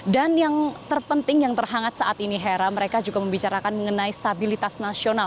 dan yang terpenting yang terhangat saat ini hera mereka juga membicarakan mengenai stabilitas nasional